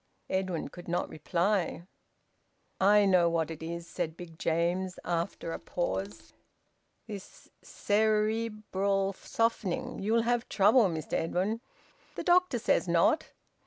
Edwin could not reply. "I know what it is," said Big James, after a pause. "What what is?" "This ce re bral softening. You'll have trouble, Mr Edwin." "The doctor says not."